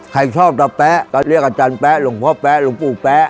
ใครชอบตะแป๊ะก็เรียกอาจารย์แป๊ะหลวงพ่อแป๊หลวงปู่แป๊ะ